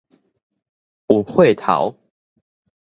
有歲頭